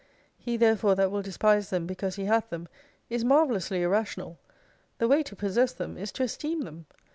He therefore that will despise them because he hath them is marvellously irrational : the way to possess them is to esteem them.